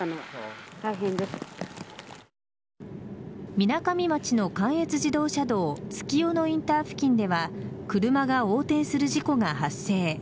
みなかみ町の関越自動車道月夜野インターチェンジ付近では車が横転する事故が発生。